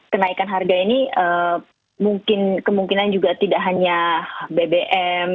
kenaikan harga ini mungkin kemungkinan juga tidak hanya bbm